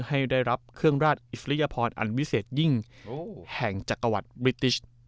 ให้ได้รับเครื่องราชอิสริยพรอันวิเศษยิ่งแห่งจักรวรรดิบริติช